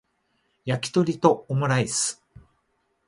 やきとりとオムライス